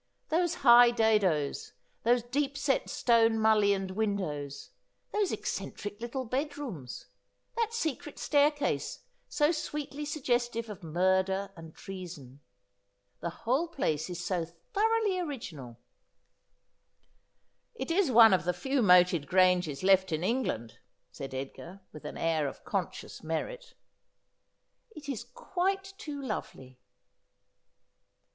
Those high dadoes ; these deep set stoue mullioned win dows ; those eccentric little bad rooms ; that secret staircase, so sweetly suggestive of murder and treason. The whole place is so thoroughly original.' ' It is one of the few moated granges loft in England,' said Edgar with an air of conscious merit. 164 Aspliodel. ' It is quite too lovely.'